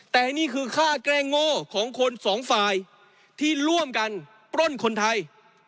แต่นี่คือค่าแกล้งโง่ของคนสองฝ่ายที่ร่วมกันปล้นคนไทย